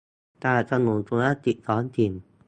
สนับสนุนธุรกิจท้องถิ่น